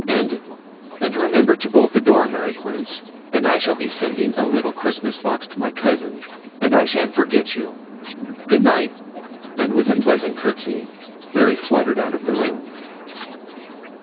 and and remember to bolt the door, Mary Quince, and I shall be sending a little Christmas box to my cousin, and I shan't forget you. Good night.' And with a pleasant courtesy Mary fluttered out of the room.